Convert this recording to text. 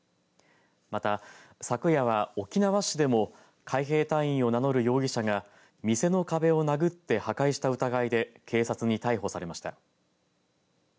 また、昨夜は沖縄市でも海兵隊員を名乗る容疑者が店の壁を殴って破壊した疑いで警察に逮捕されました。